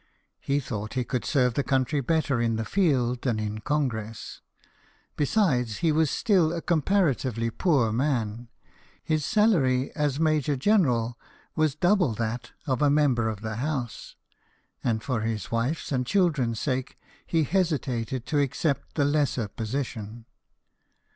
He thought he could serve the country better in the field than in Congress. Besides, he was still a compara tively poor man. His salary as Major General was double that of a member of the House ; and for his wife's and children's sake he hesi tated to accept the lesser position.